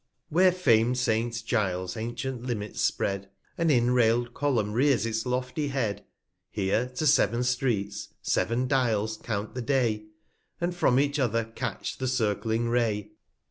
Where fam'd Saint Giles's ancient Limits spread, An inrail'd Column rears its lofty Head, Here to sev'n Streets, sev'n Dials count the Day, 75 And from each other catch the circling Ray.